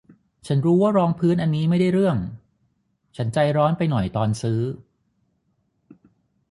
ฉันรู้ว่ารองพื้นอันนี้ไม่ได้เรื่อง ฉันใจร้อนไปหน่อยตอนซื้อ